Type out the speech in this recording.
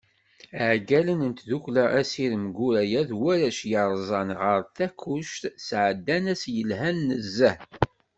Iεeggalen n tdukkla Asirem Guraya d warrac i yerzan ɣer Takkuct, sεeddan ass yelhan nezzeh.